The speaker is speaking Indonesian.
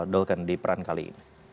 dolcon di peran kali ini